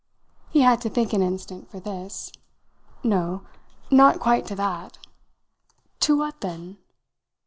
He had to think an instant for this. "No not quite to that." "To what then?"